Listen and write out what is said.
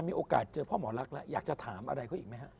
มีโอกาสเจอพ่อหมอรักแล้วอยากจะถามอะไรเขาอีกไหมฮะ